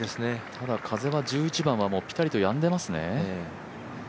ただ、風は１１番はピタリとやんでいますね。